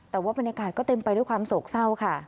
แต่ว่าบรรยากาศก็เต็มไปด้วยความโศกเศร้าค่ะ